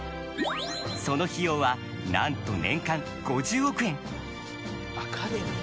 その費用はなんと年間５０億円。